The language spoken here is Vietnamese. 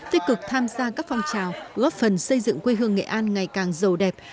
tích cực tham gia các phong trào góp phần xây dựng quê hương nghệ an ngày càng giàu đẹp